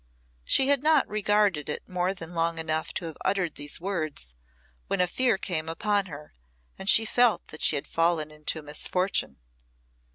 She had not regarded it more than long enough to have uttered these words, when a fear came upon her, and she felt that she had fallen into misfortune.